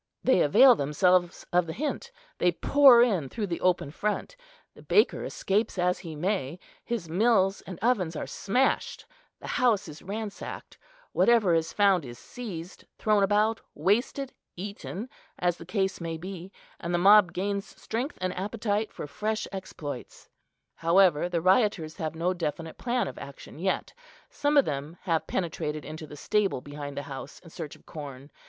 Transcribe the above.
They avail themselves of the hint; they pour in through the open front, the baker escapes as he may, his mills and ovens are smashed, the house is ransacked; whatever is found is seized, thrown about, wasted, eaten, as the case may be; and the mob gains strength and appetite for fresh exploits. However, the rioters have no definite plan of action yet. Some of them have penetrated into the stable behind the house in search of corn.